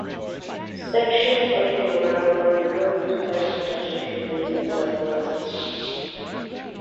Sections of the route are now used by pedestrians and cyclists.